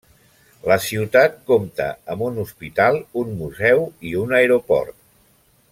La ciutat compta amb un hospital, un museu, i un aeroport.